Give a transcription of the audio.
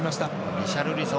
リシャルリソン